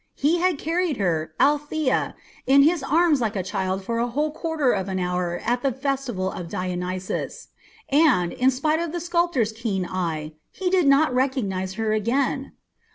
He had carried her, Althea, in his arms like a child for a whole quarter of an hour at the festival of Dionysus, and, in spite of the sculptor's keen eye, he did not recognise her again!